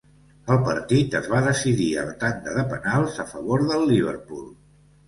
El partit es va decidir a la tanda de penals a favor del Liverpool.